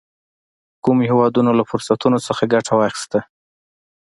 کومو هېوادونو له فرصتونو څخه ګټه واخیسته.